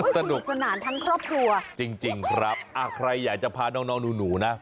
สนุกสนานทั้งครอบครัวจริงครับใครอยากจะพาน้องน้องหนูนะ